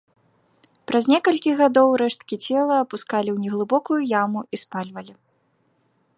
Праз некалькі гадоў рэшткі цела апускалі ў неглыбокую яму і спальвалі.